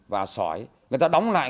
và sỏi người ta đóng lại